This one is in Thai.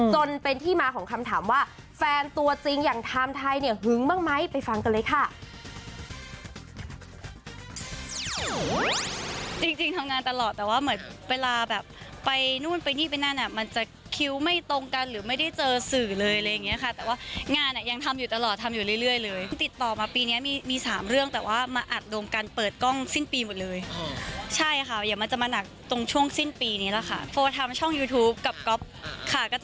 จนเป็นที่มาของคำถามว่าแฟนตัวจริงอย่างไทม์ไทยเนี่ยหึงบ้างไหมไปฟังกันเลยค่ะ